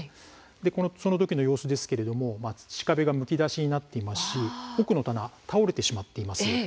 こちら、その時の様子ですけれども土壁がむき出しになって奥の棚、倒れてしまっています。